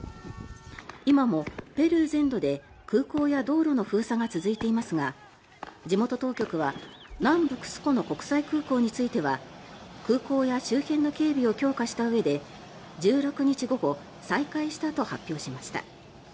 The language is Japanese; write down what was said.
今もペルー全土で空港や道路の封鎖が続いていますが地元当局は南部クスコの国際空港については空港や周辺の警備を強化したうえで１６日午後、再開したと発表しました。